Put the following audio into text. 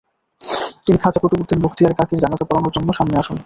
তিনি খাজা কুতুবউদ্দীন বখতিয়ার কাকীর জানাযা পড়ানোর জন্য সামনে আসুন।